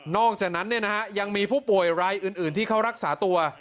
อกจากนั้นยังมีผู้ป่วยรายอื่นที่เขารักษาตัว